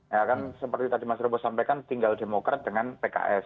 ya kan seperti tadi mas robo sampaikan tinggal demokrat dengan pks